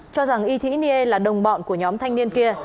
cho rằng y thĩ nghê là đồng bọn của nhóm thanh niên kia